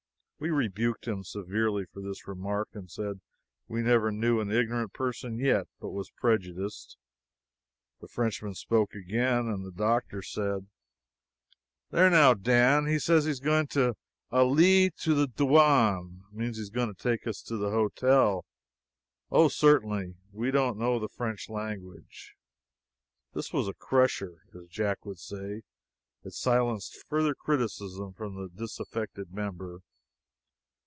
We rebuked him severely for this remark and said we never knew an ignorant person yet but was prejudiced. The Frenchman spoke again, and the doctor said: "There now, Dan, he says he is going to allez to the douain. Means he is going to the hotel. Oh, certainly we don't know the French language." This was a crusher, as Jack would say. It silenced further criticism from the disaffected member.